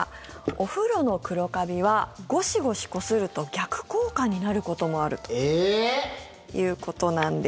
お風呂の黒カビはゴシゴシこすると逆効果になることもあるということなんです。